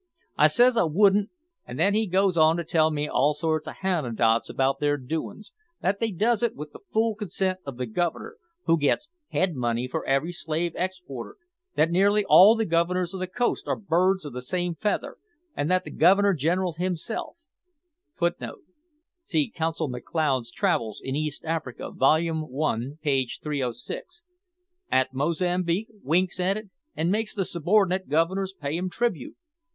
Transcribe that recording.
I says I wouldn't and then he goes on to tell me all sorts of hanecdots about their doin's that they does it with the full consent of the Governor, who gets head money for every slave exported; that nearly all the Governors on the coast are birds of the same feather, and that the Governor General himself, [See Consul McLeod's Travels in Eastern Africa, volume one page 306.] at Mozambique, winks at it and makes the subordinate Governors pay him tribute.